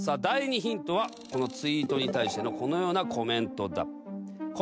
第２ヒントはこのツイートに対してのこのようなコメントだ。